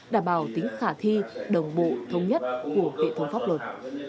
đảm bảo tính khả thi đồng bộ thông nhất của hệ thống pháp luật